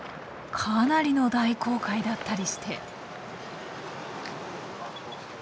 かなりの大航海だったりして。